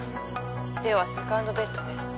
ではセカンドベットです。